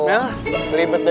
nengah ah ribet dulu